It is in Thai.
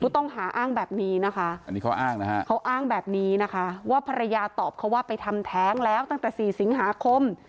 ต้องหาอ้างแบบนี้นะคะเขาอ้างแบบนี้นะคะว่าภรรยาตอบเขาว่าไปทำแทงแล้วตั้งแต่๔สิงหาคม